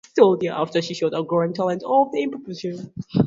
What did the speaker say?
Soon thereafter, she showed a growing talent for improvisation.